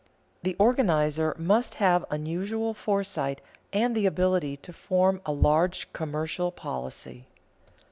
_The organizer must have unusual foresight and the ability to form a large commercial policy.